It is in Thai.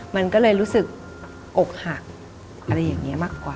มันก็เลยรู้สึกอกหักอะไรอย่างนี้มากกว่า